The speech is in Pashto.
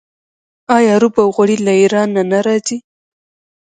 آیا رب او غوړي له ایران نه راځي؟